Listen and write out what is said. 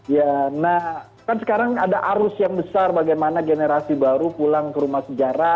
ya nah kan sekarang ada arus yang besar bagaimana generasi baru pulang ke rumah sejarah